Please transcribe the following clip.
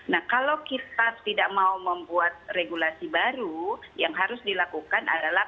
nah kalau kita tidak mau membuat regulasi baru yang harus dilakukan adalah